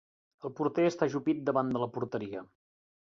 El porter està ajupit davant de la porteria.